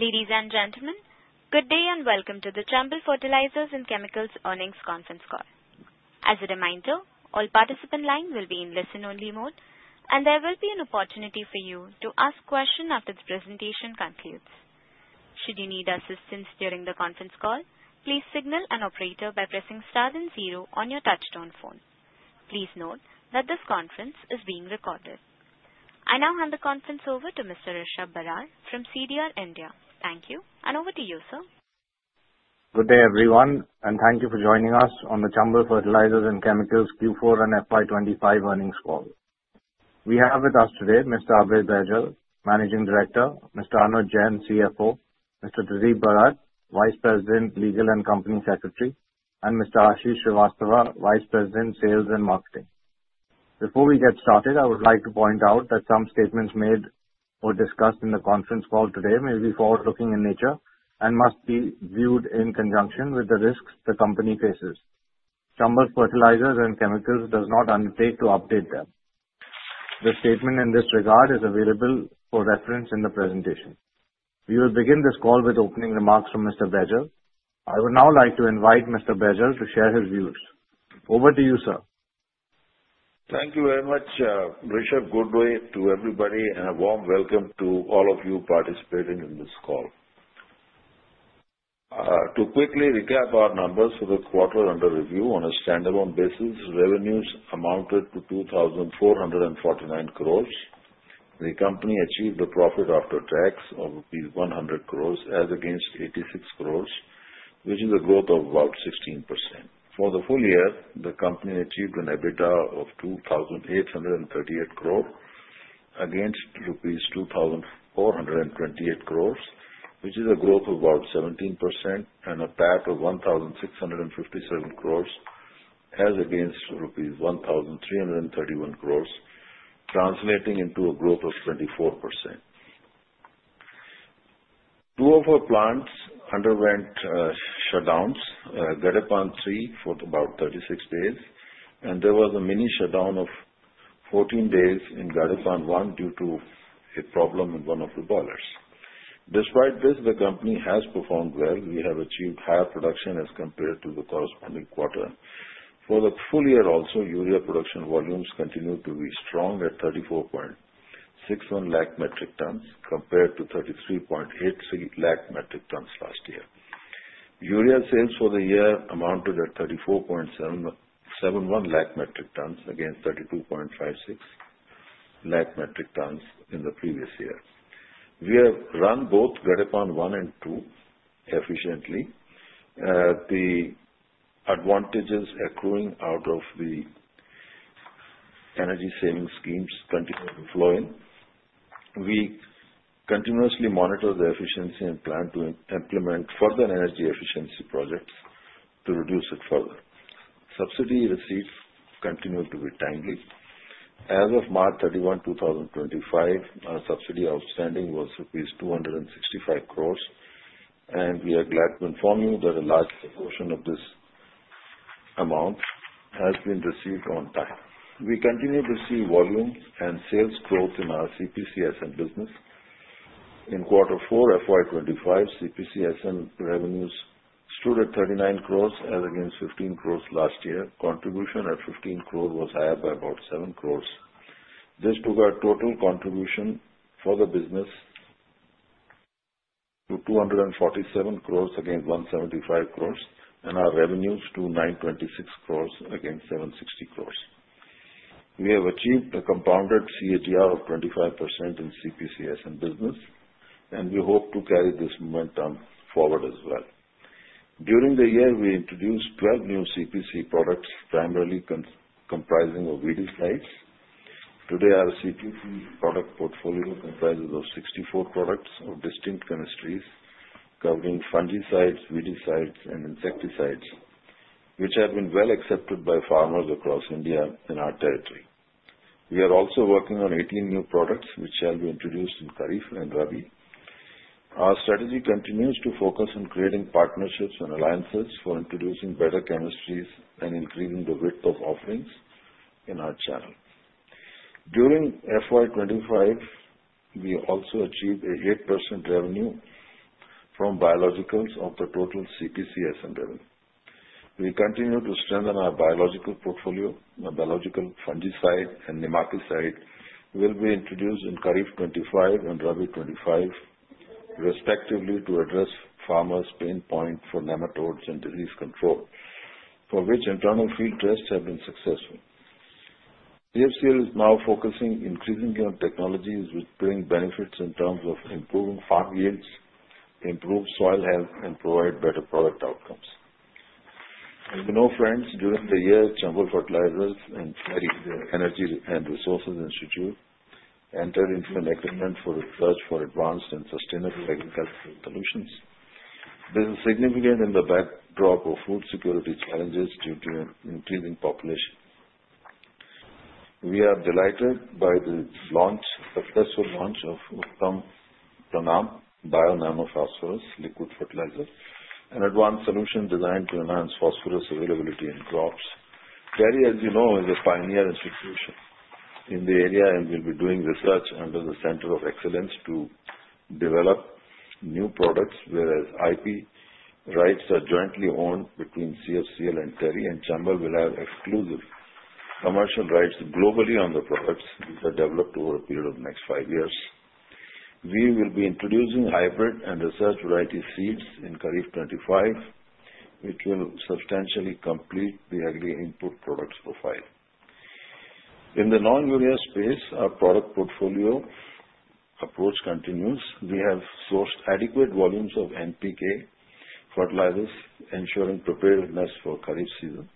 Ladies and gentlemen, good day and welcome to the Chambal Fertilisers and Chemicals earnings conference call. As a reminder, all participant lines will be in listen-only mode, and there will be an opportunity for you to ask questions after the presentation concludes. Should you need assistance during the conference call, please signal an operator by pressing star then zero on your touch-tone phone. Please note that this conference is being recorded. I now hand the conference over to Mr. Rishab Barar from CDR India. Thank you, and over to you, sir. Good day, everyone, and thank you for joining us on the Chambal Fertilisers and Chemicals Q4 and FY2025 earnings call. We have with us today Mr. Abhay Baijal, Managing Director; Mr. Anuj Jain, CFO; Mr. Tareeb Barat, Vice President, Legal and Company Secretary; and Mr. Ashish Srivastava, Vice President, Sales and Marketing. Before we get started, I would like to point out that some statements made or discussed in the conference call today may be forward-looking in nature and must be viewed in conjunction with the risks the company faces. Chambal Fertilisers and Chemicals does not undertake to update them. The statement in this regard is available for reference in the presentation. We will begin this call with opening remarks from Mr. Baijal. I would now like to invite Mr. Baijal to share his views. Over to you, sir. Thank you very much, Rishabh. Good day to everybody, and a warm welcome to all of you participating in this call. To quickly recap our numbers for the quarter under review, on a standalone basis, revenues amounted to 2,449 crore. The company achieved a profit after tax of rupees 100 crore, as against 86 crore, which is a growth of about 16%. For the full year, the company achieved an EBITDA of 2,838 crore, against rupees 2,428 crore, which is a growth of about 17%, and a PAT of 1,657 crore, as against rupees 1,331 crore, translating into a growth of 24%. Two of our plants underwent shutdowns: Gadepan 3 for about 36 days, and there was a mini shutdown of 14 days in Gadepan 1 due to a problem in one of the boilers. Despite this, the company has performed well. We have achieved higher production as compared to the corresponding quarter. For the full year also, urea production volumes continued to be strong at 3.461 million metric tons, compared to 3.383 million metric tons last year. Urea sales for the year amounted at 3.471 million metric tons, against 3.256 million metric tons in the previous year. We have run both Gadepan 1 and 2 efficiently. The advantages accruing out of the energy saving schemes continue to flow in. We continuously monitor the efficiency and plan to implement further energy efficiency projects to reduce it further. Subsidy receipts continue to be timely. As of March 31, 2025, our subsidy outstanding was rupees 2.65 billion, and we are glad to inform you that a large portion of this amount has been received on time. We continue to see volume and sales growth in our CPCSN business. In quarter four FY2025, CPCSN revenues stood at 39 crore, as against 15 crore last year. Contribution at 15 crore was higher by about 7 crore. This took our total contribution for the business to 247 crore, against 175 crore, and our revenues to 926 crore, against 760 crore. We have achieved a compounded CAGR of 25% in CPCSN business, and we hope to carry this momentum forward as well. During the year, we introduced 12 new CPC products, primarily comprising of weedicides. Today, our CPC product portfolio comprises 64 products of distinct chemistries, covering fungicides, weedicides, and insecticides, which have been well accepted by farmers across India and our territory. We are also working on 18 new products, which shall be introduced in Kharif and Rabi. Our strategy continues to focus on creating partnerships and alliances for introducing better chemistries and increasing the width of offerings in our channel. During FY 2025, we also achieved an 8% revenue from biologicals of the total CPCSN revenue. We continue to strengthen our biological portfolio. Biological fungicide and biological nematicide will be introduced in Kharif 2025 and Rabi 2025, respectively, to address farmers' pain points for nematodes and disease control, for which internal field tests have been successful. Chambal Fertilisers and Chemicals is now focusing increasingly on technologies which bring benefits in terms of improving farm yields, improved soil health, and provide better product outcomes. As we know, friends, during the year, Chambal Fertilisers and Chemicals and The Energy and Resources Institute entered into an agreement for research for advanced and sustainable agricultural solutions. This is significant in the backdrop of food security challenges due to increasing population. We are delighted by the successful launch of Pronam BioNano Phosphorus liquid fertilizer, an advanced solution designed to enhance phosphorus availability in crops. TERI, as you know, is a pioneer institution in the area and will be doing research under the Centre of Excellence to develop new products, whereas IP rights are jointly owned between CFCL and TERI, and Chambal will have exclusive commercial rights globally on the products which are developed over a period of the next five years. We will be introducing hybrid and research variety seeds in Kharif 2025, which will substantially complete the agri-input products profile. In the non-urea space, our product portfolio approach continues. We have sourced adequate volumes of NPK fertilisers, ensuring preparedness for the Kharif season.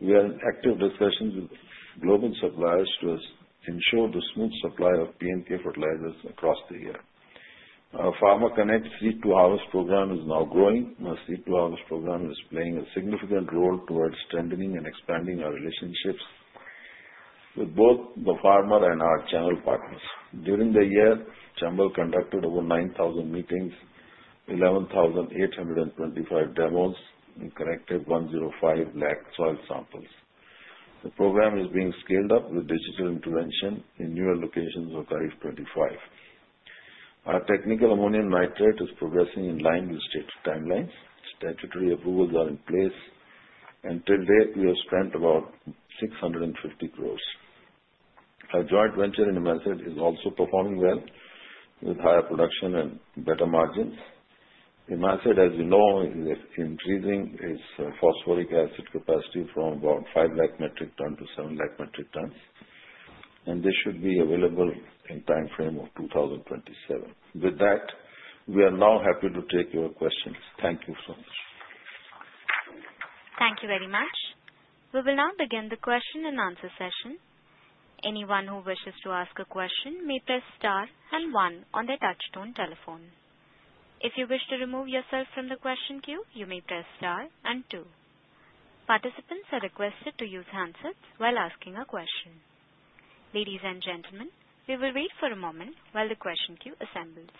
We are in active discussions with global suppliers to ensure the smooth supply of NPK fertilisers across the year. Our Farmer Connect C2 Harvest program is now growing. Our C2 Harvest program is playing a significant role towards strengthening and expanding our relationships with both the farmer and our channel partners. During the year, Chambal conducted over 9,000 meetings, 11,825 demos, and collected 105 lakh soil samples. The program is being scaled up with digital intervention in newer locations of Kharif 2025. Our Technical Ammonium Nitrate is progressing in line with stated timelines. Statutory approvals are in place. Until date, we have spent about 650 crore. Our joint venture in IMACID is also performing well with higher production and better margins. IMACID, as you know, is increasing its phosphoric acid capacity from about 500,000 metric tons to 700,000 metric tons, and this should be available in the timeframe of 2027. With that, we are now happy to take your questions. Thank you so much. Thank you very much. We will now begin the question and answer session. Anyone who wishes to ask a question may press star and one on their touch-tone telephone. If you wish to remove yourself from the question queue, you may press star and two. Participants are requested to use handsets while asking a question. Ladies and gentlemen, we will wait for a moment while the question queue assembles.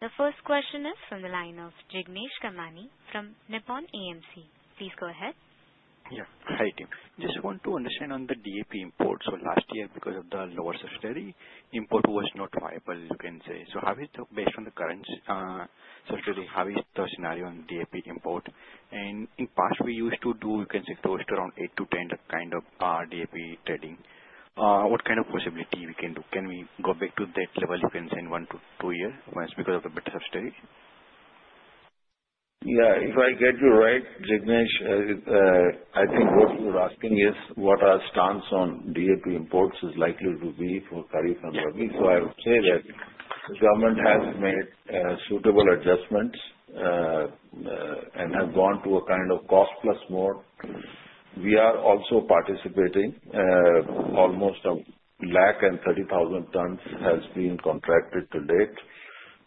The first question is from the line of Jignesh Kamani from Nippon AMC. Please go ahead. Yeah, hi team. Just want to understand on the DAP import. Last year, because of the lower subsidy, import was not viable, you can say. How is the, based on the current subsidy, how is the scenario on DAP import? In the past, we used to do, you can say, close to around 8-10 kind of DAP trading. What kind of possibility can we do? Can we go back to that level, you can say, in one to two years because of the better subsidy? Yeah, if I get you right, Jignesh, I think what you're asking is what our stance on DAP imports is likely to be for Kharif and Rabi. I would say that the government has made suitable adjustments and has gone to a kind of cost-plus mode. We are also participating. Almost 1 lakh and 30,000 tons has been contracted to date,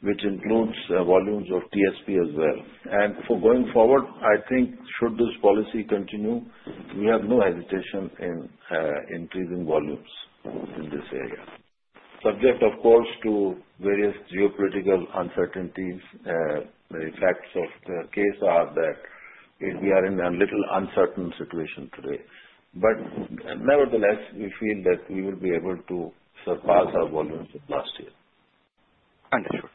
which includes volumes of TSP as well. For going forward, I think, should this policy continue, we have no hesitation in increasing volumes in this area, subject, of course, to various geopolitical uncertainties. The facts of the case are that we are in a little uncertain situation today. Nevertheless, we feel that we will be able to surpass our volumes of last year. Understood.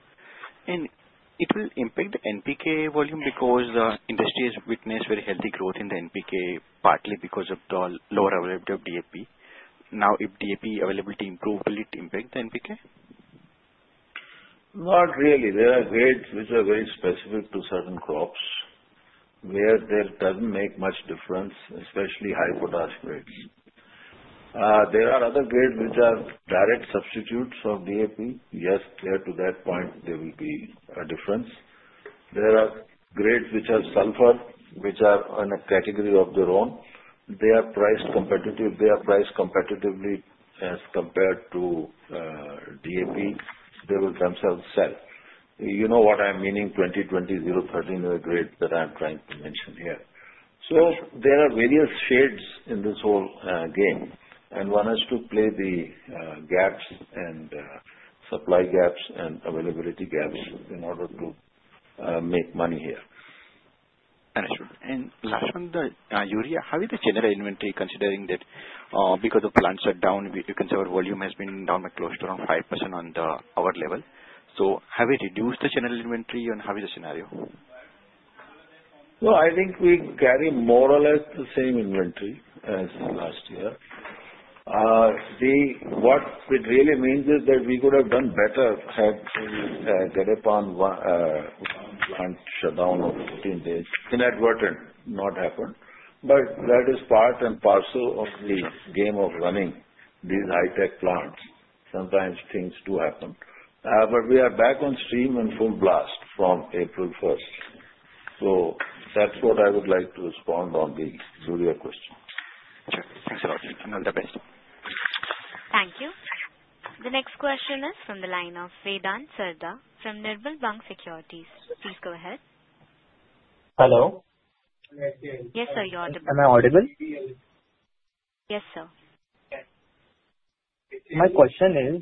It will impact the NPK volume because the industry has witnessed very healthy growth in the NPK, partly because of the lower availability of DAP. Now, if DAP availability improves, will it impact the NPK? Not really. There are grades which are very specific to certain crops where there does not make much difference, especially high-potash grades. There are other grades which are direct substitutes of DAP. Yes, clear to that point, there will be a difference. There are grades which are sulphur, which are in a category of their own. They are priced competitive. They are priced competitively as compared to DAP. They will themselves sell. You know what I am meaning? 20-20-0-13 is a grade that I am trying to mention here. So there are various shades in this whole game, and one has to play the gaps and supply gaps and availability gaps in order to make money here. Understood. Last one, the urea, how is the general inventory considering that because of plant shutdown, you can say our volume has been down by close to around 5% on our level. Have we reduced the general inventory? How is the scenario? I think we carry more or less the same inventory as last year. What it really means is that we could have done better had Gadepan plant shutdown of 14 days, inadvertent, not happened. That is part and parcel of the game of running these high-tech plants. Sometimes things do happen. We are back on stream and full blast from April 1st. That is what I would like to respond on the urea question. Sure. Thanks a lot, Jignesh. All the best. Thank you. The next question is from the line of Vedant Serda from Nirmal Bank Securities. Please go ahead. Hello? Yes, sir. You're audible. Am I audible? Yes, sir. My question is,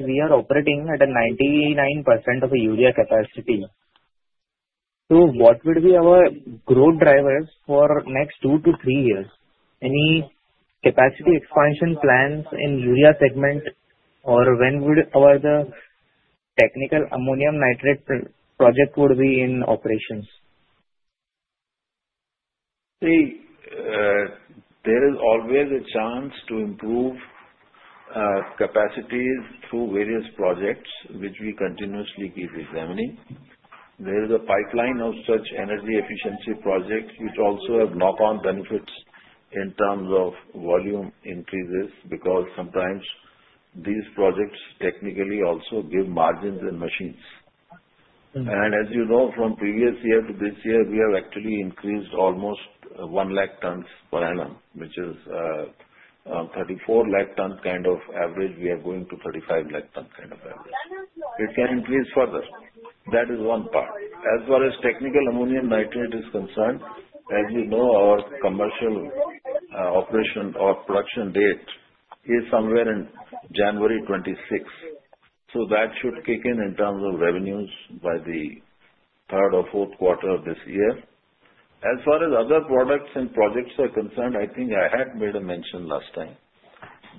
we are operating at 99% of the urea capacity. What would be our growth drivers for the next two to three years? Any capacity expansion plans in the urea segment, or when would our technical ammonium nitrate project be in operations? See, there is always a chance to improve capacities through various projects, which we continuously keep examining. There is a pipeline of such energy efficiency projects which also have knock-on benefits in terms of volume increases because sometimes these projects technically also give margins in machines. As you know, from previous year to this year, we have actually increased almost 1 lakh tons per annum, which is 34 lakh tons kind of average. We are going to 35 lakh tons kind of average. It can increase further. That is one part. As far as Technical Ammonium Nitrate is concerned, as you know, our commercial operation or production date is somewhere in January 2026. That should kick in in terms of revenues by the third or fourth quarter of this year. As far as other products and projects are concerned, I think I had made a mention last time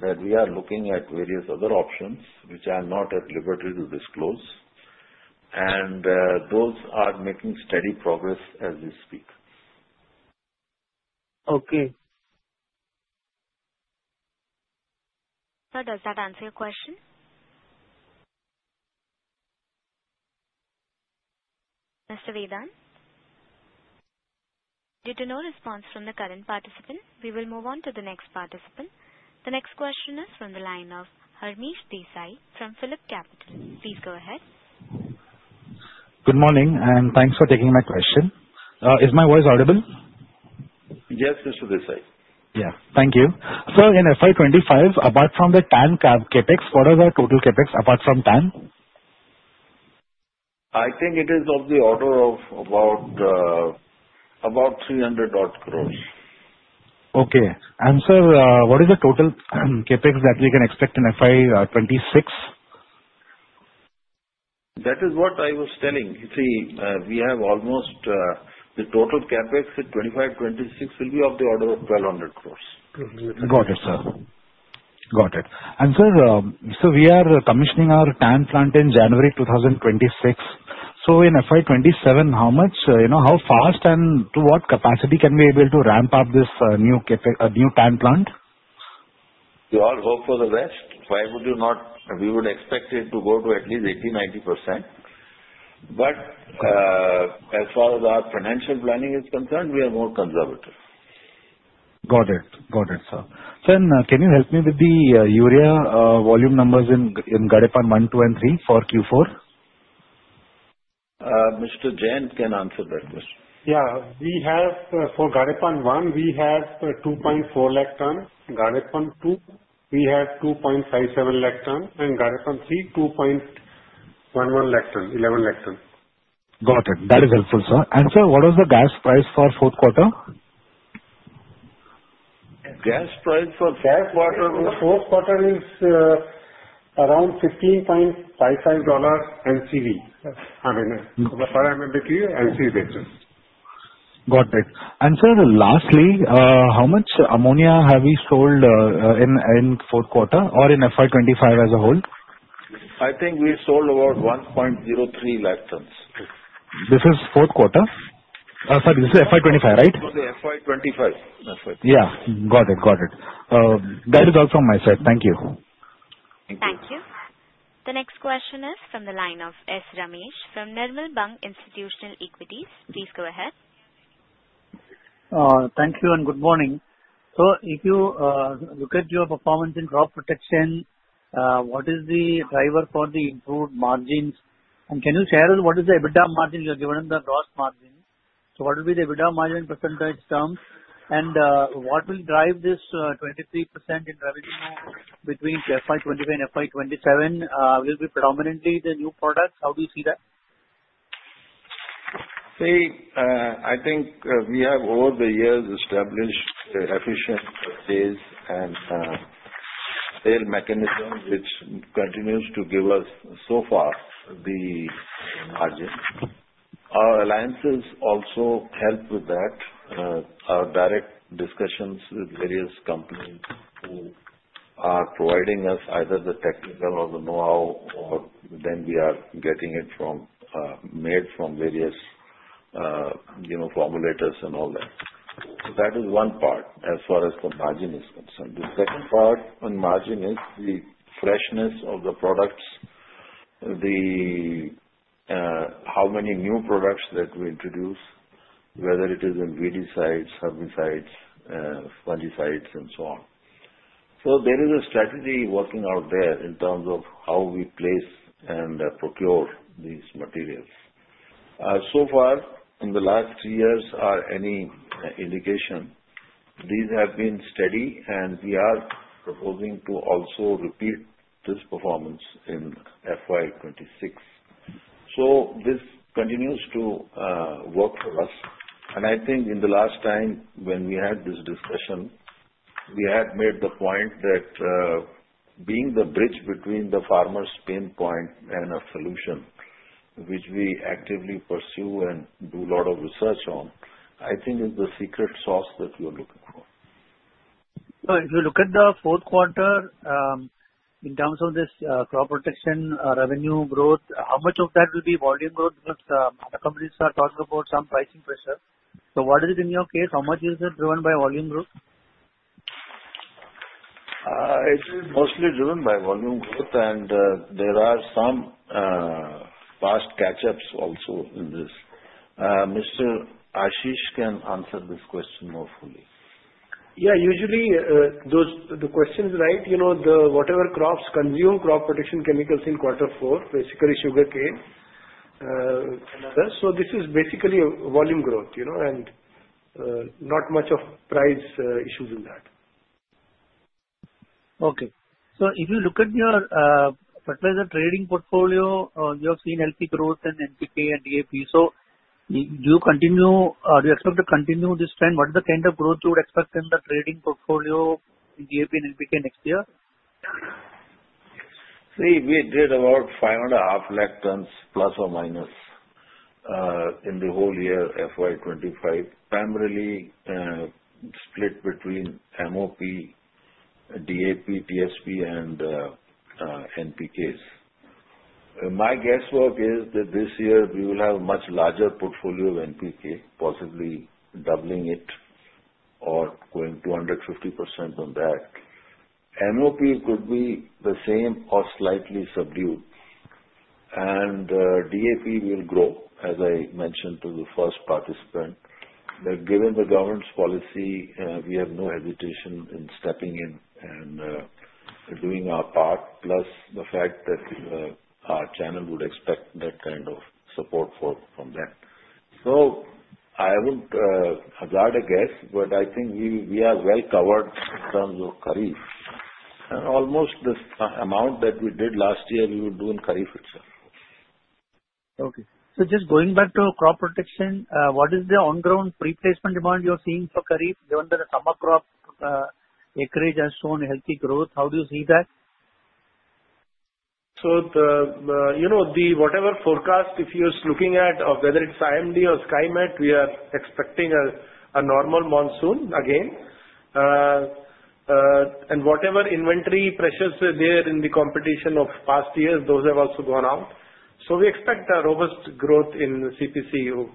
that we are looking at various other options which I'm not at liberty to disclose. Those are making steady progress as we speak. Okay. Sir, does that answer your question? Mr. Vedant? Due to no response from the current participant, we will move on to the next participant. The next question is from the line of Harmish Desai from PhillipCapital. Please go ahead. Good morning, and thanks for taking my question. Is my voice audible? Yes, Mr. Desai. Yeah. Thank you. Sir, in FY 2025, apart from the TAN CapEx, what are the total CapEx apart from TAN? I think it is of the order of about 3.00 billion. Okay. Sir, what is the total CapEx that we can expect in FY 2026? That is what I was telling. See, we have almost the total CapEx in 2025-2026 will be of the order of 1200 crore. Got it, sir. Got it. Sir, we are commissioning our TAN plant in January 2026. In FY27, how fast and to what capacity can we be able to ramp up this new TAN plant? We all hope for the best. Why would you not? We would expect it to go to at least 80%-90%. As far as our financial planning is concerned, we are more conservative. Got it. Got it, sir. Sir, can you help me with the urea volume numbers in Gadepan 1, 2, and 3 for Q4? Mr. Jain can answer that question. Yeah. For Gadepan 1, we have 2.4 lakh tons. Gadepan 2, we have 2.57 lakh tons. Gadepan 3, 2.11 lakh tons, 11 lakh tons. Got it. That is helpful, sir. And sir, what was the gas price for fourth quarter? Gas price for fourth quarter is around $15.55 NCV. I mean, if I remember clearly, NCV. Got it. Sir, lastly, how much ammonia have we sold in the fourth quarter or in FY 2025 as a whole? I think we sold about 1.03 lakh tons. This is fourth quarter? Sorry, this is FY25, right? For the FY25. Yeah. Got it. Got it. That is all from my side. Thank you. Thank you. The next question is from the line of S. Ramesh from Nirmal Bang Institutional Equities. Please go ahead. Thank you and good morning. If you look at your performance in crop protection, what is the driver for the improved margins? Can you share what is the EBITDA margin you are given in the gross margin? What will be the EBITDA margin percentage term? What will drive this 23% in revenue between FY2025 and FY2027? Will it be predominantly the new products? How do you see that? See, I think we have over the years established efficient purchase and sale mechanism which continues to give us, so far, the margin. Our alliances also help with that. Our direct discussions with various companies who are providing us either the technical or the know-how, or then we are getting it made from various formulators and all that. That is one part as far as the margin is concerned. The second part on margin is the freshness of the products, how many new products that we introduce, whether it is in weedicides, herbicides, fungicides, and so on. There is a strategy working out there in terms of how we place and procure these materials. So far, in the last three years, or any indication, these have been steady, and we are proposing to also repeat this performance in FY2026. This continues to work for us. I think in the last time when we had this discussion, we had made the point that being the bridge between the farmer's pain point and a solution, which we actively pursue and do a lot of research on, I think is the secret sauce that we are looking for. If you look at the fourth quarter, in terms of this crop protection revenue growth, how much of that will be volume growth? Because other companies are talking about some pricing pressure. What is it in your case? How much is it driven by volume growth? It's mostly driven by volume growth, and there are some past catch-ups also in this. Mr. Ashish can answer this question more fully. Yeah. Usually, the question is right. Whatever crops consume crop protection chemicals in quarter four, basically sugarcane. This is basically volume growth and not much of price issues in that. Okay. So if you look at your fertilizer trading portfolio, you have seen healthy growth in NPK and DAP. Do you expect to continue this trend? What is the kind of growth you would expect in the trading portfolio in DAP and NPK next year? See, we did about 5.5 lakh tons, plus or minus, in the whole year FY2025, primarily split between MOP, DAP, TSP, and NPKs. My guesswork is that this year we will have a much larger portfolio of NPK, possibly doubling it or going 250% on that. MOP could be the same or slightly subdued. DAP will grow, as I mentioned to the first participant. Given the government's policy, we have no hesitation in stepping in and doing our part, plus the fact that our channel would expect that kind of support from them. I will not hazard a guess, but I think we are well covered in terms of Kharif. Almost the amount that we did last year, we will do in Kharif itself. Okay. So just going back to crop protection, what is the on-ground pre-placement demand you are seeing for Kharif given that the summer crop acreage has shown healthy growth? How do you see that? Whatever forecast, if you're looking at whether it's IMD or SkyMet, we are expecting a normal monsoon again. Whatever inventory pressures there in the competition of past years, those have also gone out. We expect a robust growth in the CPCU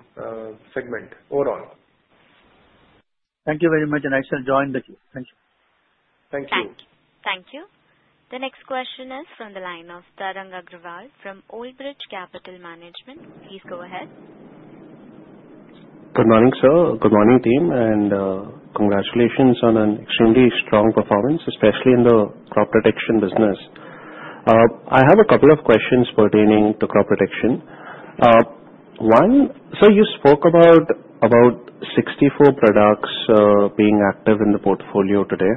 segment overall. Thank you very much. I shall join the queue. Thank you. Thank you. Thank you. The next question is from the line of Tarang Agrawal from Oldbridge Capital Management. Please go ahead. Good morning, sir. Good morning, team. Congratulations on an extremely strong performance, especially in the crop protection business. I have a couple of questions pertaining to crop protection. One, sir, you spoke about 64 products being active in the portfolio today.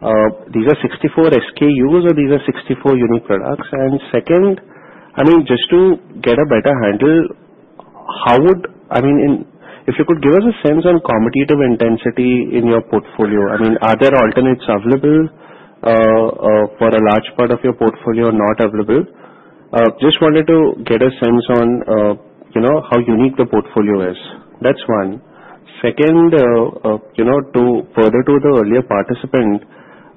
These are 64 SKUs, or these are 64 unique products? Second, I mean, just to get a better handle, how would, I mean, if you could give us a sense on commutative intensity in your portfolio, I mean, are there alternates available for a large part of your portfolio or not available? Just wanted to get a sense on how unique the portfolio is. That is one. Second, further to the earlier participant,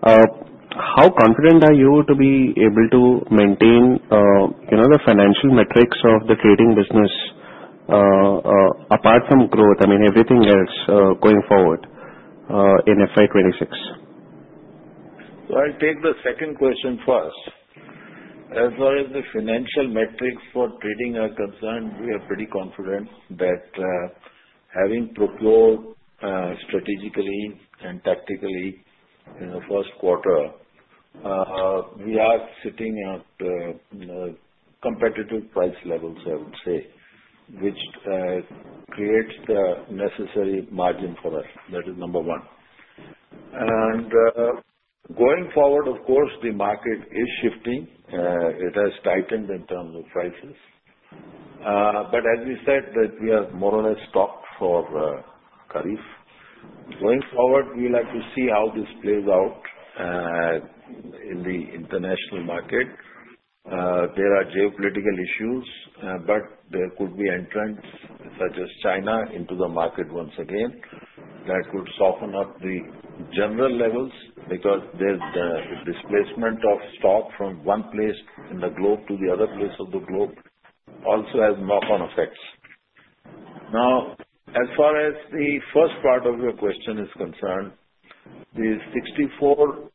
how confident are you to be able to maintain the financial metrics of the trading business apart from growth? I mean, everything else going forward in FY2026. I'll take the second question first. As far as the financial metrics for trading are concerned, we are pretty confident that having procured strategically and tactically in the first quarter, we are sitting at competitive price levels, I would say, which creates the necessary margin for us. That is number one. Going forward, of course, the market is shifting. It has tightened in terms of prices. As we said, we are more or less stocked for Kharif. Going forward, we'd like to see how this plays out in the international market. There are geopolitical issues, but there could be entrants such as China into the market once again. That could soften up the general levels because the displacement of stock from one place in the globe to the other place of the globe also has knock-on effects. Now, as far as the first part of your question is concerned, the 64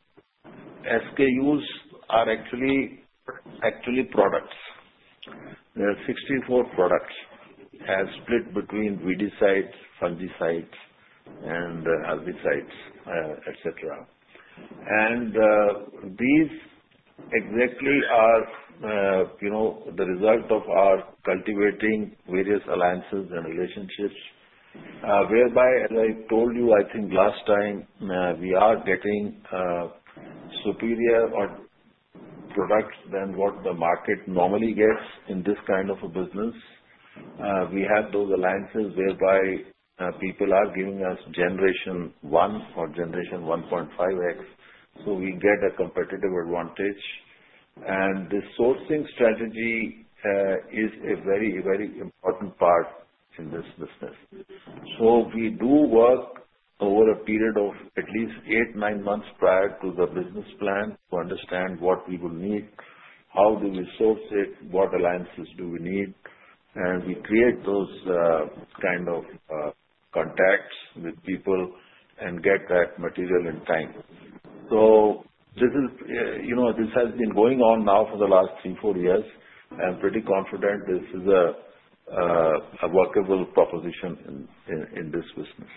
SKUs are actually products. There are 64 products as split between weedicides, fungicides, and herbicides, etc. These exactly are the result of our cultivating various alliances and relationships, whereby, as I told you, I think last time, we are getting superior products than what the market normally gets in this kind of a business. We have those alliances whereby people are giving us Generation 1 or Generation 1.5X, so we get a competitive advantage. The sourcing strategy is a very, very important part in this business. We do work over a period of at least eight, nine months prior to the business plan to understand what we will need, how do we source it, what alliances do we need. We create those kind of contacts with people and get that material in time. This has been going on now for the last three or four years. I'm pretty confident this is a workable proposition in this business.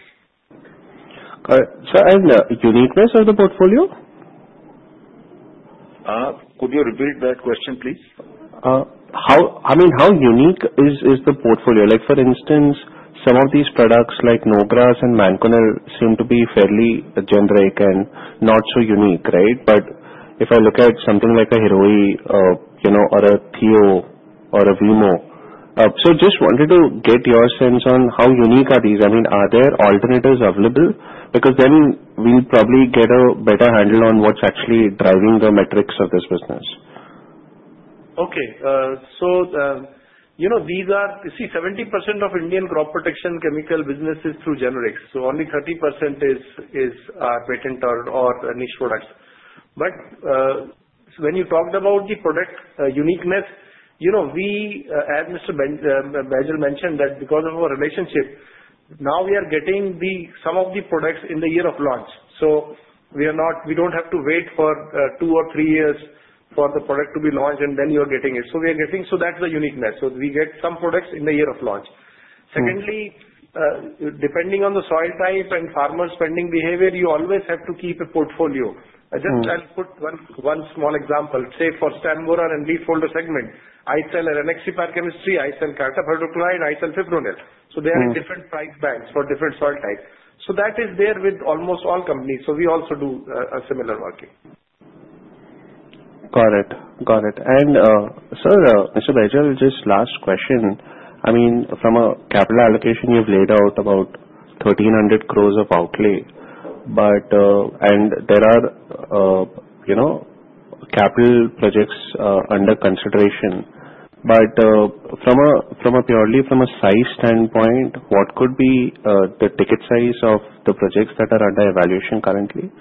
Sir, and the uniqueness of the portfolio? Could you repeat that question, please? I mean, how unique is the portfolio? For instance, some of these products like Novgras and Manconil seem to be fairly generic and not so unique, right? If I look at something like a Hiroi or a Theo or a Vimo, just wanted to get your sense on how unique are these. I mean, are there alternatives available? Because then we'll probably get a better handle on what's actually driving the metrics of this business. Okay. These are 70% of Indian crop protection chemical businesses through generics. Only 30% are patent or niche products. When you talked about the product uniqueness, we, as Mr. Baijal mentioned, because of our relationship, now we are getting some of the products in the year of launch. We do not have to wait for two or three years for the product to be launched, and then you are getting it. We are getting, so that is the uniqueness. We get some products in the year of launch. Secondly, depending on the soil type and farmer spending behavior, you always have to keep a portfolio. I will put one small example. Say for stem borer and leaf folder segment, I sell Ranexipar Chemistry, I sell Cartap Hydrochloride, I sell Fipronil. They are in different price banks for different soil types. That is there with almost all companies. We also do a similar market. Got it. Got it. And sir, Mr. Baijal, just last question. I mean, from a capital allocation, you've laid out about 1,300 crore of outlay. And there are capital projects under consideration. But purely from a size standpoint, what could be the ticket size of the projects that are under evaluation currently?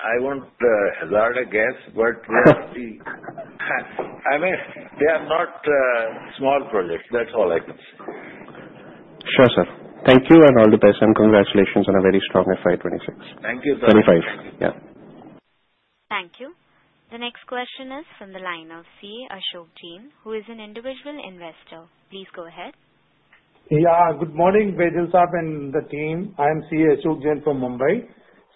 I won't hazard a guess, but I mean, they are not small projects. That's all I can say. Sure, sir. Thank you and all the best, and congratulations on a very strong FY 2026. Thank you, sir. 25. Yeah. Thank you. The next question is from the line of CA Ashok Jain, who is an individual investor. Please go ahead. Yeah. Good morning, Baijal Sahib and the team. I am CA Ashok Jain from Mumbai.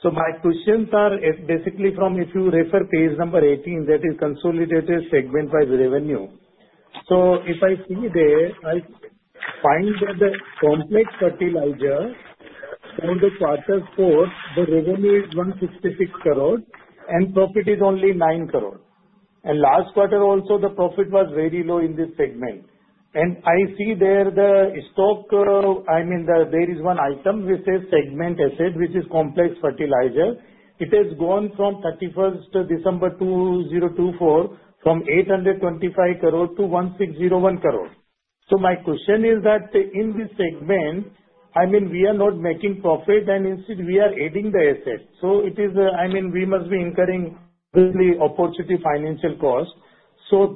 My questions are basically from, if you refer page number 18, that is consolidated segment-wise revenue. If I see there, I find that the complex fertilizer for the quarter four, the revenue is 166 crore, and profit is only 9 crore. Last quarter, also, the profit was very low in this segment. I see there the stock, I mean, there is one item which says segment asset, which is complex fertilizer. It has gone from 31 December 2024 from 825 crore to 1,601 crore. My question is that in this segment, I mean, we are not making profit, and instead, we are adding the asset. It is, I mean, we must be incurring really opportunity financial cost.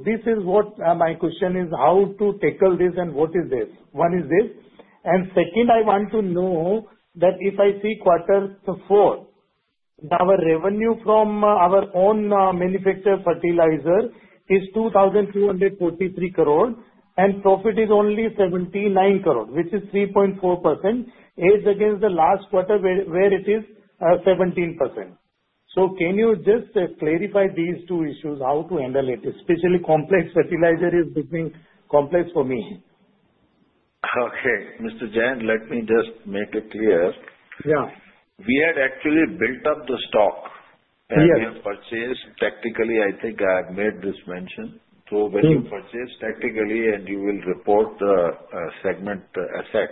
This is what my question is, how to tackle this and what is this? One is this. Second, I want to know that if I see quarter four, our revenue from our own manufactured fertilizer is 2,243 crore, and profit is only 79 crore, which is 3.4%, against the last quarter where it is 17%. Can you just clarify these two issues, how to handle it, especially complex fertilizer is becoming complex for me? Okay. Mr. Jain, let me just make it clear. We had actually built up the stock, and we have purchased. Tactically, I think I have made this mention. When you purchase tactically, and you will report the segment asset,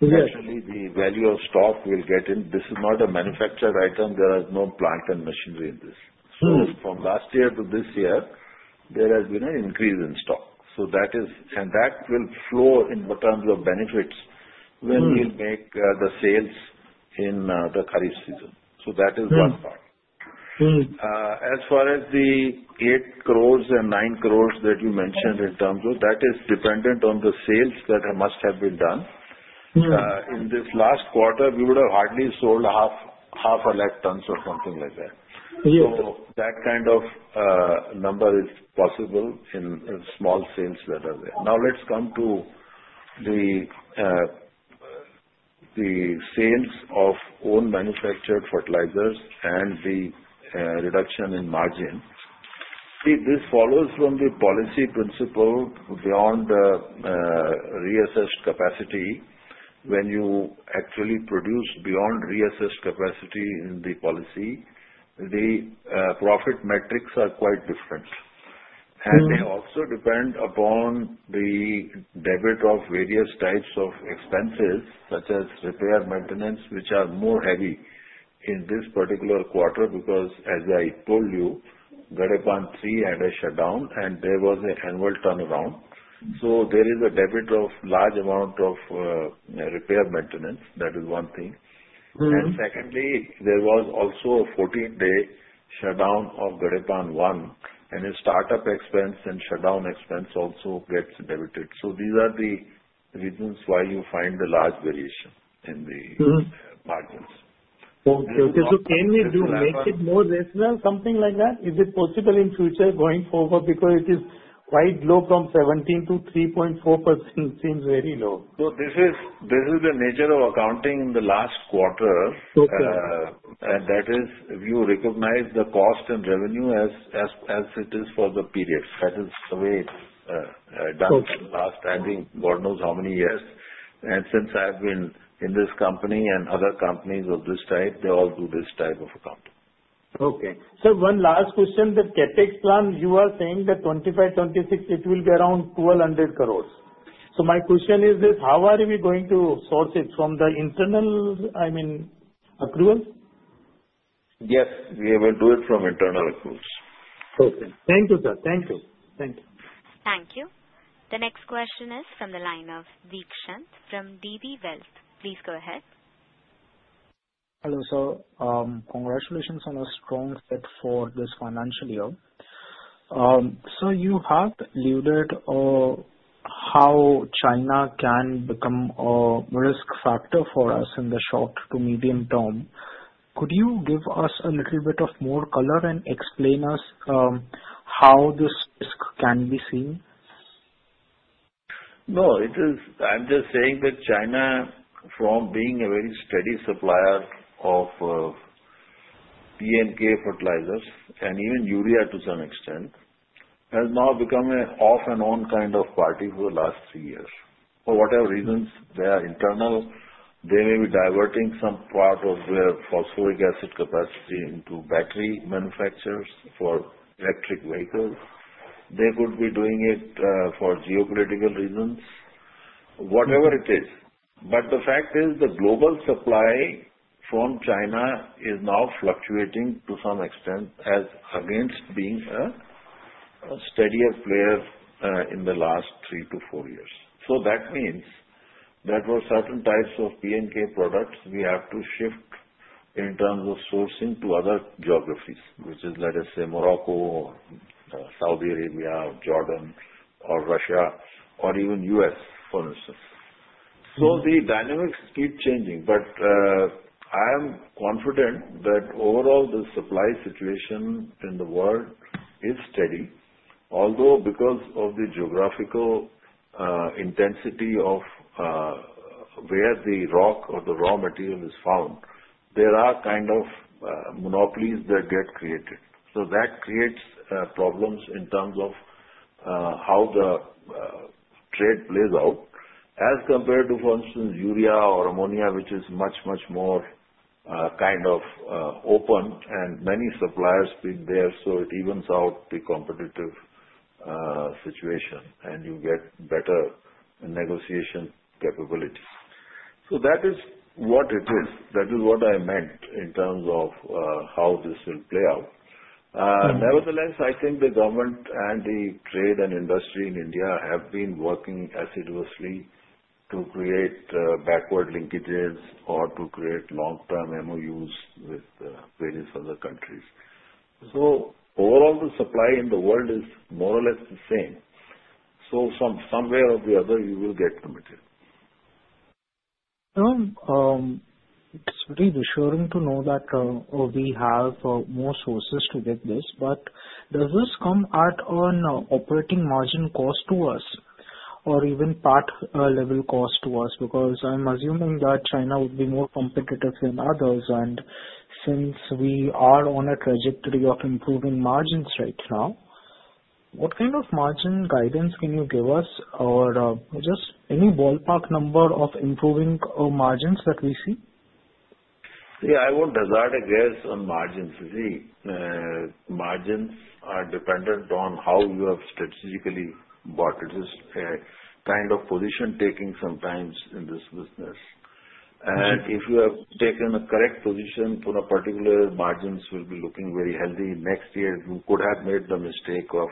naturally, the value of stock will get in. This is not a manufactured item. There is no plant and machinery in this. From last year to this year, there has been an increase in stock. That will flow in terms of benefits when we make the sales in the Kharif season. That is one part. As far as the 80,000,000 and 90,000,000 that you mentioned, that is dependent on the sales that must have been done. In this last quarter, we would have hardly sold 50,000 tons or something like that. That kind of number is possible in small sales that are there. Now, let's come to the sales of own manufactured fertilizers and the reduction in margin. See, this follows from the policy principle beyond reassessed capacity. When you actually produce beyond reassessed capacity in the policy, the profit metrics are quite different. They also depend upon the debit of various types of expenses, such as repair maintenance, which are more heavy in this particular quarter because, as I told you, Gadepan 3 had a shutdown, and there was an annual turnaround. There is a debit of large amount of repair maintenance. That is one thing. Secondly, there was also a 14-day shutdown of Gadepan 1, and a startup expense and shutdown expense also gets debited. These are the reasons why you find the large variation in the margins. Okay. So can we make it more rational, something like that? Is it possible in future going forward because it is quite low from 17% to 3.4% seems very low? This is the nature of accounting in the last quarter. That is, you recognize the cost and revenue as it is for the period. That is the way it's done for the last, I think, God knows how many years. Since I've been in this company and other companies of this type, they all do this type of accounting. Okay. Sir, one last question. The CapEx plan, you are saying that 2025, 2026, it will be around 1,200 crore. So my question is this, how are we going to source it from the internal, I mean, accrual? Yes. We will do it from internal accruals. Okay. Thank you, sir. Thank you. Thank you. Thank you. The next question is from the line of Viksanth from DB Wealth. Please go ahead. Hello, sir. Congratulations on a strong set for this financial year. Sir, you have alluded to how China can become a risk factor for us in the short to medium term. Could you give us a little bit more color and explain to us how this risk can be seen? No, it is. I'm just saying that China, from being a very steady supplier of P&K fertilizers and even urea to some extent, has now become an off-and-on kind of party for the last three years. For whatever reasons, they are internal. They may be diverting some part of their phosphoric acid capacity into battery manufacturers for electric vehicles. They could be doing it for geopolitical reasons, whatever it is. The fact is, the global supply from China is now fluctuating to some extent against being a steadier player in the last three to four years. That means that for certain types of P&K products, we have to shift in terms of sourcing to other geographies, which is, let us say, Morocco or Saudi Arabia or Jordan or Russia or even the US, for instance. The dynamics keep changing. I am confident that overall, the supply situation in the world is steady. Although, because of the geographical intensity of where the rock or the raw material is found, there are kind of monopolies that get created. That creates problems in terms of how the trade plays out. As compared to, for instance, urea or ammonia, which is much, much more kind of open and many suppliers being there, it evens out the competitive situation and you get better negotiation capability. That is what it is. That is what I meant in terms of how this will play out. Nevertheless, I think the government and the trade and industry in India have been working assiduously to create backward linkages or to create long-term MOUs with various other countries. Overall, the supply in the world is more or less the same. From somewhere or the other, you will get the material. It's really reassuring to know that we have more sources to get this. Does this come at an operating margin cost to us or even part-level cost to us? I'm assuming that China would be more competitive than others. Since we are on a trajectory of improving margins right now, what kind of margin guidance can you give us or just any ballpark number of improving margins that we see? Yeah. I won't hazard a guess on margins. Margins are dependent on how you have strategically bought. It is a kind of position-taking sometimes in this business. If you have taken a correct position for a particular margin, you will be looking very healthy next year. You could have made the mistake of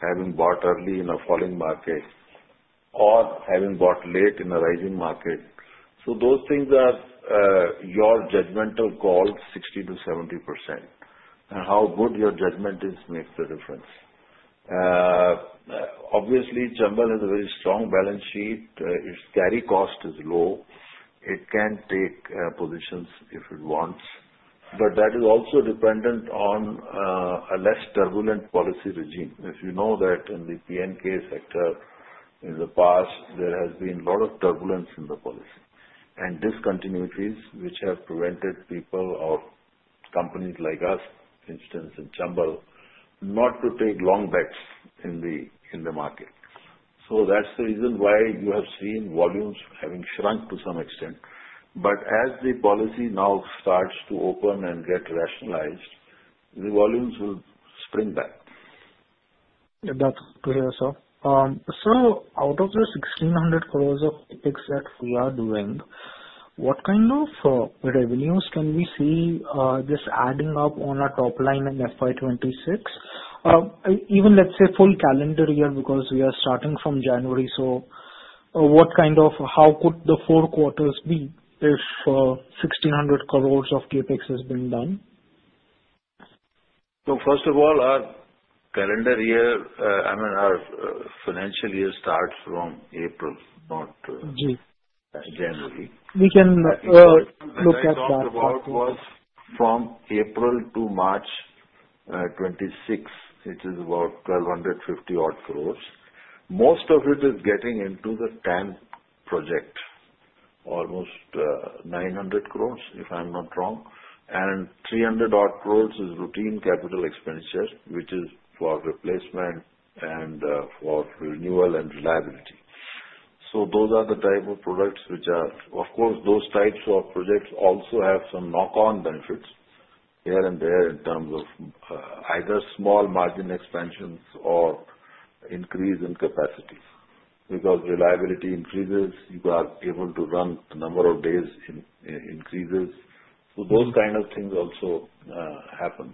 having bought early in a falling market or having bought late in a rising market. Those things are your judgmental call, 60%-70%. How good your judgment is makes the difference. Obviously, Chambal has a very strong balance sheet. Its carry cost is low. It can take positions if it wants. That is also dependent on a less turbulent policy regime. If you know that in the P&K sector, in the past, there has been a lot of turbulence in the policy and discontinuities, which have prevented people or companies like us, for instance, in Chambal, not to take long bets in the market. That is the reason why you have seen volumes having shrunk to some extent. As the policy now starts to open and get rationalized, the volumes will spring back. That's clear, sir. Out of this 1,600 crore of CapEx that we are doing, what kind of revenues can we see just adding up on the top line in FY 2026? Even, let's say, full calendar year because we are starting from January. What kind of, how could the four quarters be if 1,600 crore of CapEx has been done? First of all, our calendar year, I mean, our financial year starts from April, not January. We can look at that. The first quarter was from April to March 26, which is about 1,250 crore. Most of it is getting into the TAN project, almost 900 crore, if I'm not wrong. And 300 crore is routine capital expenditure, which is for replacement and for renewal and reliability. Those are the type of products which are, of course, those types of projects also have some knock-on benefits here and there in terms of either small margin expansions or increase in capacity because reliability increases. You are able to run, the number of days increases. Those kind of things also happen.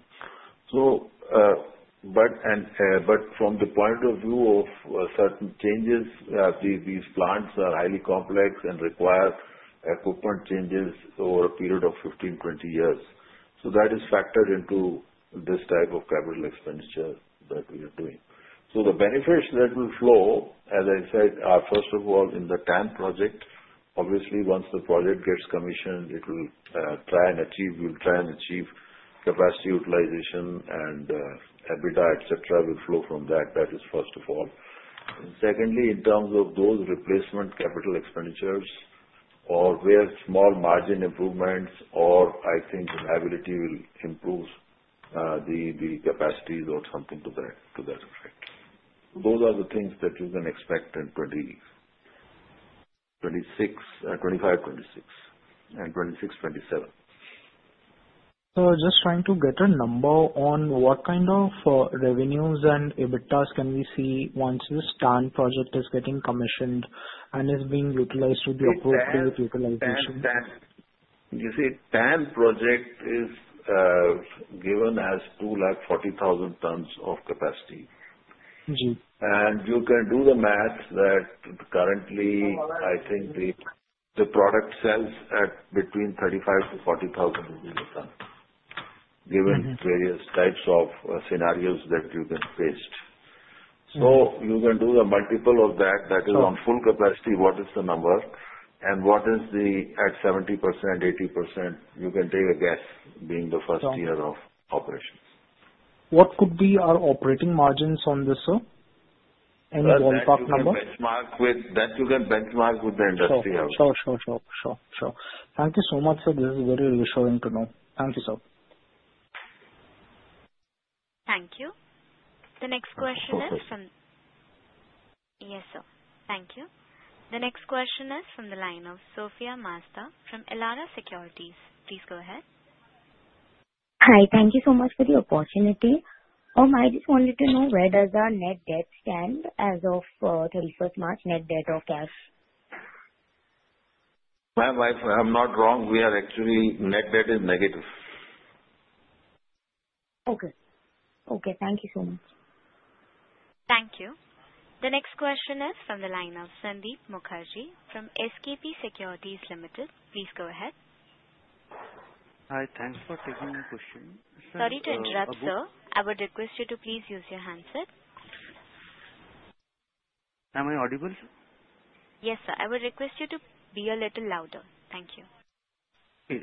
From the point of view of certain changes, these plants are highly complex and require equipment changes over a period of 15-20 years. That is factored into this type of capital expenditure that we are doing. The benefits that will flow, as I said, are first of all in the TAN project. Obviously, once the project gets commissioned, it will try and achieve, we'll try and achieve capacity utilization and EBITDA, etc., will flow from that. That is first of all. Secondly, in terms of those replacement capital expenditures or where small margin improvements or, I think, reliability will improve the capacities or something to that effect. Those are the things that you can expect in 2025-2026 and 2026-2027. Just trying to get a number on what kind of revenues and EBITDAs can we see once this TAN project is getting commissioned and is being utilized to the appropriate utilization? You see, TAN project is given as 240,000 tons of capacity. You can do the math that currently, I think, the product sells at between 35,000-40,000 rupees a ton, given various types of scenarios that you can taste. You can do the multiple of that. That is on full capacity. What is the number? What is it at 70%, 80%? You can take a guess being the first year of operations. What could be our operating margins on this, sir? Any ballpark number? That you can benchmark with the industry out. Sure. Thank you so much, sir. This is very reassuring to know. Thank you, sir. Thank you. The next question is from. Of course. Yes, sir. Thank you. The next question is from the line of Sophia Mazda from Elana Securities. Please go ahead. Hi. Thank you so much for the opportunity. Oh, I just wanted to know where does our net debt stand as of 31 March, net debt or cash? I'm not wrong. We are actually net debt is negative. Okay. Okay. Thank you so much. Thank you. The next question is from the line of Sandeep Mukherjee from SKP Securities Limited. Please go ahead. Hi. Thanks for taking my question. Sorry to interrupt, sir. I would request you to please use your handset. Am I audible, sir? Yes, sir. I would request you to be a little louder. Thank you. Okay.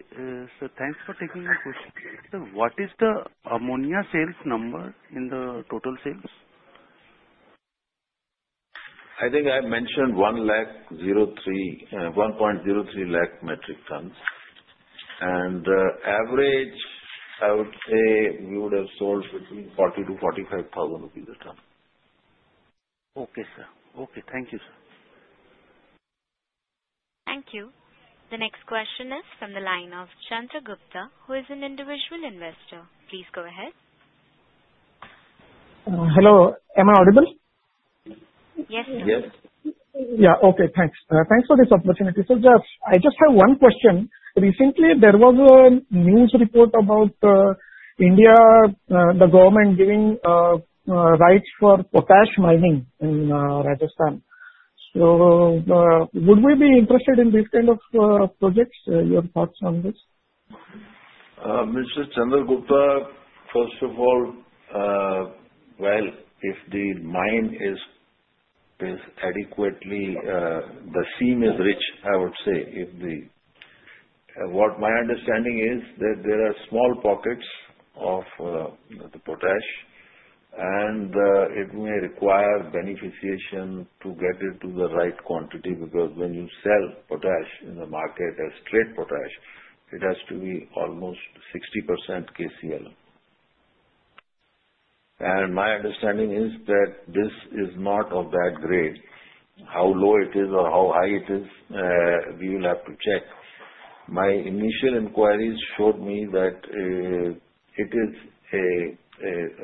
So thanks for taking my question. Sir, what is the ammonia sales number in the total sales? I think I mentioned 1.03 lakh metric tons. I would say we would have sold between 40,000-45,000 rupees a ton. Okay, sir. Okay. Thank you, sir. Thank you. The next question is from the line of Chandragupta, who is an individual investor. Please go ahead. Hello. Am I audible? Yes, sir. Yes. Yeah. Okay. Thanks. Thanks for this opportunity. Jeff, I just have one question. Recently, there was a news report about India, the government giving rights for potash mining in Rajasthan. Would we be interested in these kind of projects? Your thoughts on this? Mr. Chandragupta, first of all, if the mine is adequately, the seam is rich, I would say. What my understanding is that there are small pockets of the potash, and it may require beneficiation to get it to the right quantity because when you sell potash in the market as straight potash, it has to be almost 60% KCl. My understanding is that this is not of that grade. How low it is or how high it is, we will have to check. My initial inquiries showed me that it is a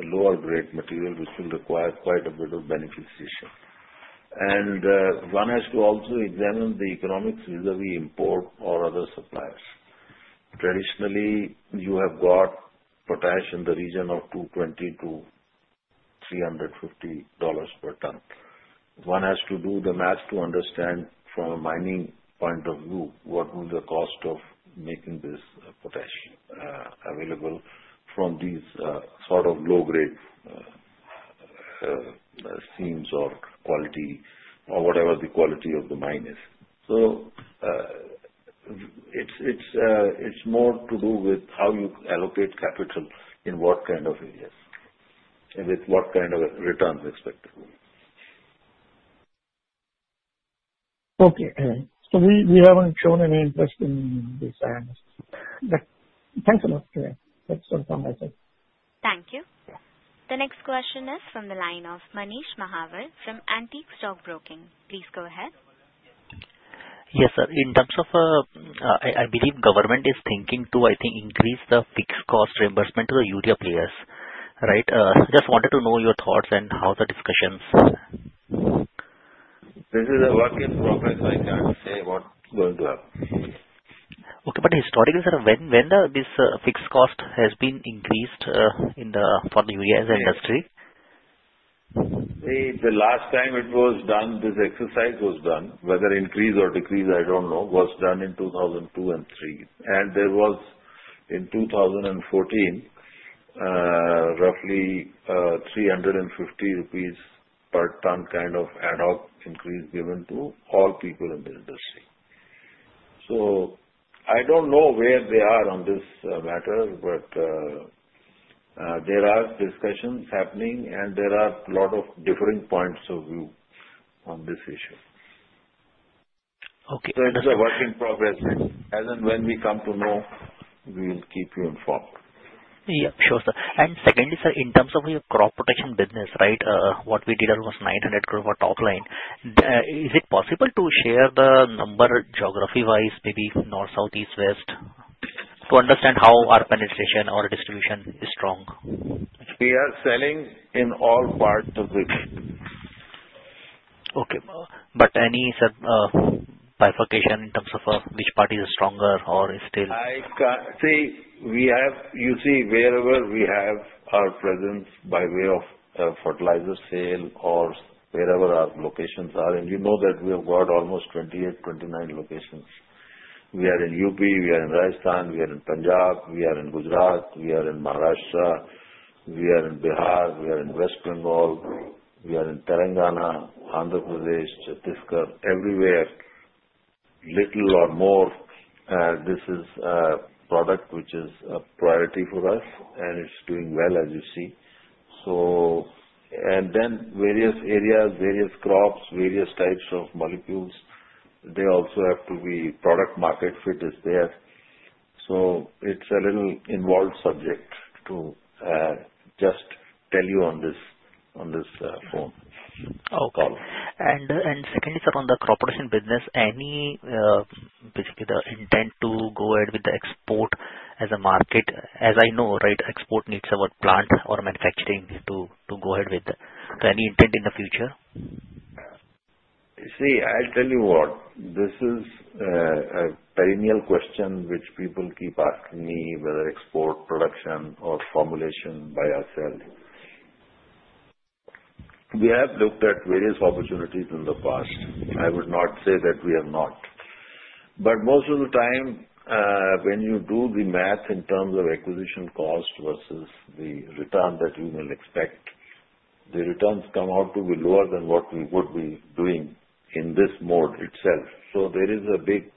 lower-grade material, which will require quite a bit of beneficiation. One has to also examine the economics vis-à-vis import or other suppliers. Traditionally, you have got potash in the region of $220-$350 per ton. One has to do the math to understand from a mining point of view what will be the cost of making this potash available from these sort of low-grade seams or quality or whatever the quality of the mine is. It is more to do with how you allocate capital in what kind of areas and with what kind of returns expected. Okay. So we haven't shown any interest in this area. Thanks a lot. That's all from my side. Thank you. The next question is from the line of Manish Mahaval from Antique Stockbroking. Please go ahead. Yes, sir. In terms of, I believe government is thinking to, I think, increase the fixed cost reimbursement to the urea players, right? Just wanted to know your thoughts and how the discussions. This is a working process. I can't say what's going to happen. Okay. Historically, sir, when has this fixed cost been increased for the urea as an industry? The last time it was done, this exercise was done, whether increase or decrease, I don't know, was done in 2002 and 2003. There was, in 2014, roughly 350 rupees per ton kind of ad hoc increase given to all people in the industry. I don't know where they are on this matter, but there are discussions happening, and there are a lot of differing points of view on this issue. Okay. It is a work in progress. As and when we come to know, we will keep you informed. Yep. Sure, sir. Secondly, sir, in terms of your crop protection business, right, what we did was 900 crore per top line. Is it possible to share the number geography-wise, maybe north, south, east, west to understand how our penetration or distribution is strong? We are selling in all parts of the region. Okay. But any bifurcation in terms of which part is stronger or is still? See, you see wherever we have our presence by way of fertilizer sale or wherever our locations are. You know that we have got almost 28-29 locations. We are in UP, we are in Rajasthan, we are in Punjab, we are in Gujarat, we are in Maharashtra, we are in Bihar, we are in West Bengal, we are in Telangana, Andhra Pradesh, Chhattisgarh, everywhere. Little or more, this is a product which is a priority for us, and it's doing well, as you see. In various areas, various crops, various types of molecules, they also have to be product-market fit is there. It is a little involved subject to just tell you on this phone call. Okay. Secondly, sir, on the crop production business, any basically the intent to go ahead with the export as a market, as I know, right, export needs our plant or manufacturing to go ahead with. Any intent in the future? You see, I'll tell you what. This is a perennial question which people keep asking me, whether export, production, or formulation by ourselves. We have looked at various opportunities in the past. I would not say that we have not. Most of the time, when you do the math in terms of acquisition cost versus the return that you will expect, the returns come out to be lower than what we would be doing in this mode itself. There is a big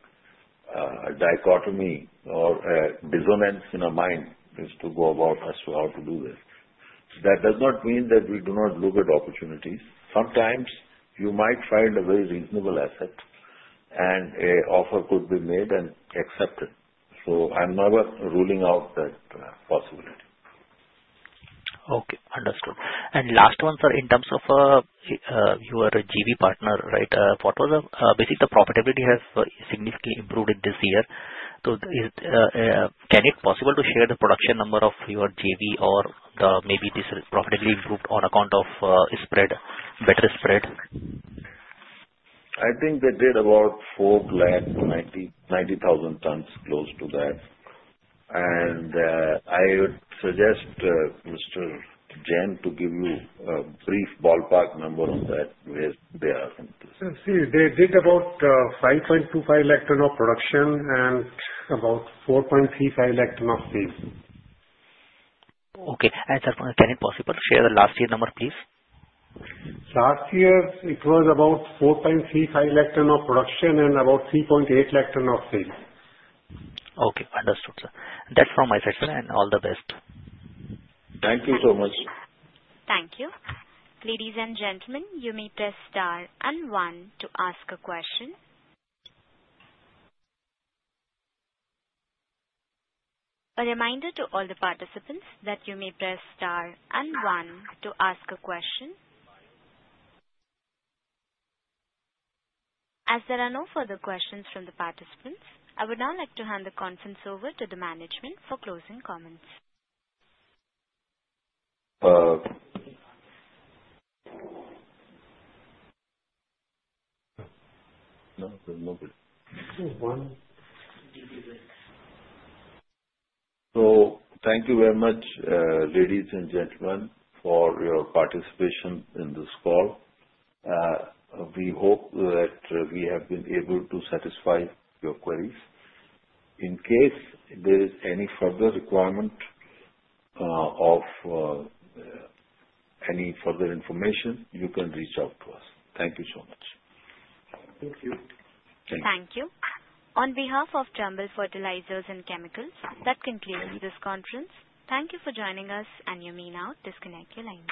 dichotomy or a dissonance in our mind as to go about as to how to do this. That does not mean that we do not look at opportunities. Sometimes you might find a very reasonable asset, and an offer could be made and accepted. I'm never ruling out that possibility. Okay. Understood. Last one, sir, in terms of your JV partner, right, basically the profitability has significantly improved this year. Can it be possible to share the production number of your JV or maybe this profitability improved on account of better spread? I think they did about 4,000, 90,000 tons, close to that. I would suggest Mr. Jain to give you a brief ballpark number on that, where they are in this. See, they did about 5.25 lakh ton of production and about 4.35 lakh ton of sales. Okay. Sir, can it be possible to share the last year number, please? Last year, it was about 4.35 lakh ton of production and about 3.8 lakh ton of sales. Okay. Understood, sir. That is from my side, sir, and all the best. Thank you so much. Thank you. Ladies and gentlemen, you may press star and one to ask a question. A reminder to all the participants that you may press star and one to ask a question. As there are no further questions from the participants, I would now like to hand the conference over to the management for closing comments. Thank you very much, ladies and gentlemen, for your participation in this call. We hope that we have been able to satisfy your queries. In case there is any further requirement of any further information, you can reach out to us. Thank you so much. Thank you. Thank you. Thank you. On behalf of Chambal Fertilisers and Chemicals, that concludes this conference. Thank you for joining us, and you may now disconnect your line.